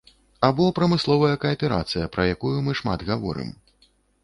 Або прамысловая кааперацыя, пра якую мы шмат гаворым.